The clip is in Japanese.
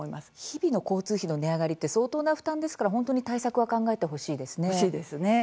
日々の交通費の値上がりって相当な負担ですから本当に対策は考えてほしいですね。